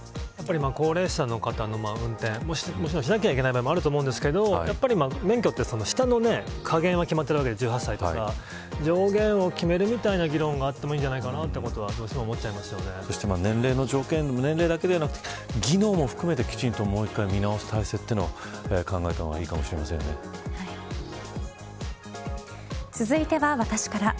高齢者の方の運転しなきゃいけない場合もあると思うんですけど免許って下の下限は決まっているわけで上限を決めるという議論があってもいいんじゃないかなと年齢だけではなくて技能も含めてきちんともう一回見直す体制を考えた方が続いては私から。